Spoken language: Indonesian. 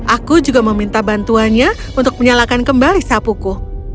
aku juga meminta bantuannya untuk menyalakan kembali sapuku